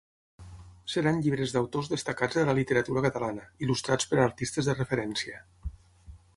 Seran llibres d’autors destacats de la literatura catalana, il·lustrats per artistes de referència.